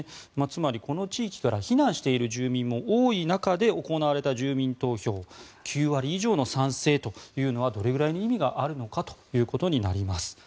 つまりこの地域から避難している住民も多い中で行われた住民投票９割以上の賛成というのはどれぐらい意味があるのかということになります。